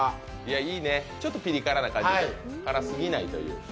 いいね、ちょっとピリ辛な感じで、辛すぎない。